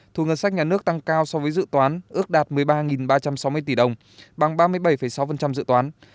thu ngân sách nhà nước tăng cao so với dự toán ước đạt một mươi ba ba trăm sáu mươi tỷ đồng bằng ba mươi bảy sáu dự toán